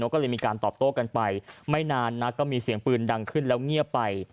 ก็เลยมีการตอบโต้กันไปไม่นานนักก็มีเสียงปืนดังขึ้นแล้วเงียบไป